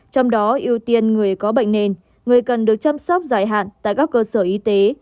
trong đó ưu tiên người có bệnh nền người cần được chăm sóc dài hạn tại các cơ sở y tế